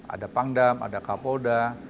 ada pangdam ada kapolda